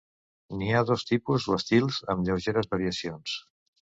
N'hi ha dos tipus o estils amb lleugeres variacions.